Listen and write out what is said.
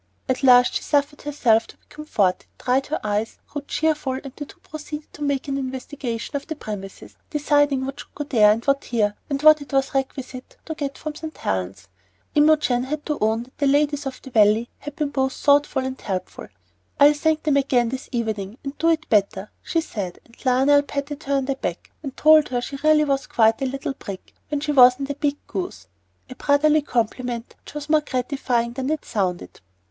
At last she suffered herself to be comforted, dried her eyes, grew cheerful, and the two proceeded to make an investigation of the premises, deciding what should go there and what here, and what it was requisite to get from St. Helen's. Imogen had to own that the ladies of the Valley had been both thoughtful and helpful. "I'll thank them again this evening and do it better," she said; and Lionel patted her back, and told her she really was quite a little brick when she wasn't a big goose, a brotherly compliment which was more gratifying than it sounded.